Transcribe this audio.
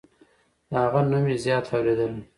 د هغه نوم مې زیات اوریدلی